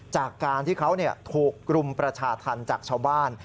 จากการที่เขาถูกรุมประชาธรรมจากชาวบ้าน